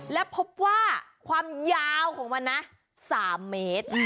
และพบว่าความยาวของมันนะ๓เมตร